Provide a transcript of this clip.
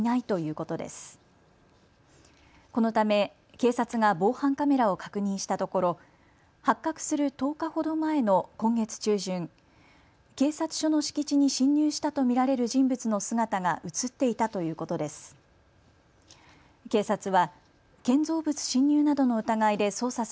このため警察が防犯カメラを確認したところ発覚する１０日ほど前の今月中旬、警察署の敷地に侵入したと見られる人物の姿が写っていたということです。